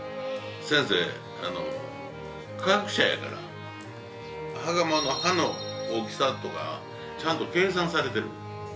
先生、科学者やから羽釜の羽の大きさとかちゃんと計算されてる。